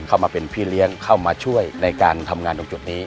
เข้ามาเป็นพี่เลี้ยงเข้ามาช่วยในการทำงานตรงจุดนี้